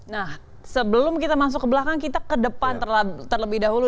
nah sebelum kita masuk ke belakang kita ke depan terlebih dahulu